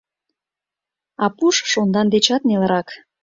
А пуш — шондан дечат нелырак.